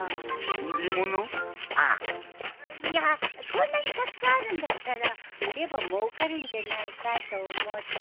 いやこんなにたくさんあるんだったら売ればもうかるんじゃないかと思って。